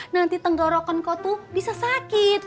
nanti tenggorokan kau tuh bisa sakit